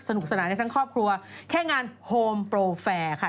สนุกสนานได้ทั้งครอบครัวแค่งานโฮมโปรแฟร์ค่ะ